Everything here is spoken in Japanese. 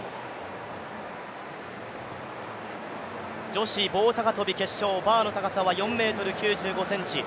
女子棒高跳決勝、バーの高さは４ｍ９５ｃｍ